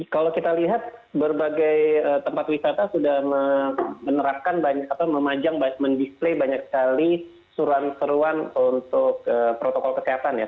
kalau kita lihat berbagai tempat wisata sudah menerapkan memajang men display banyak sekali suruan suruan untuk protokol kesehatan ya